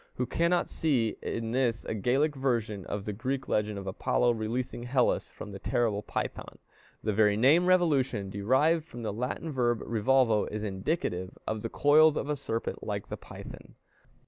Who cannot see in this a Gallic version of the Greek legend of Apollo releasing Hellas from the terrible Python? The very name revolution, derived from the Latin verb revolvo, is indicative of the coils of a serpent like the Python.